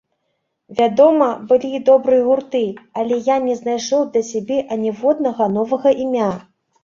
Вядома, былі і добрыя гурты, але я не знайшоў для сябе аніводнага новага імя.